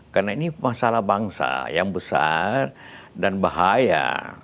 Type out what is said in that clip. karena ini masalah bangsa yang besar dan bahaya